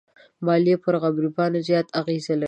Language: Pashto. مالیې پر غریبانو زیات اغېز لري.